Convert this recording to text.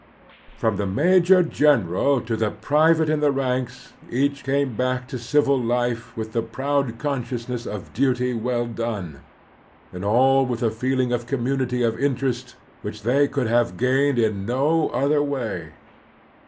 From the major general to the private in the ranks each came back to civil life with the proud consciousness of duty well done, and all with a feeling of conmiunity of interest which they could have gained in no other way.